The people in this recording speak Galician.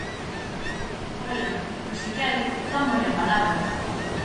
Oia, pois, se quere, tómolle a palabra.